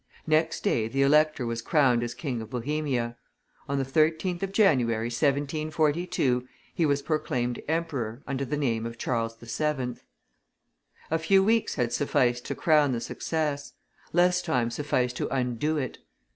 Next day the elector was crowned as King of Bohemia; on the 13th of January, 1742, he was proclaimed emperor, under the name of Charles VII. A few weeks had sufficed to crown the success; less time sufficed to undo it.